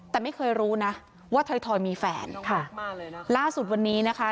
แต่ไม่เคยรู้นะว่าถอยทอยมีแฟนค่ะล่าสุดวันนี้นะคะ